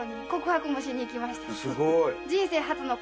すごい。